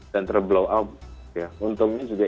dan terblow out ya untungnya